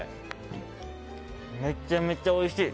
めちゃめちゃおいしい！